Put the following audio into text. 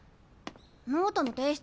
ノートの提出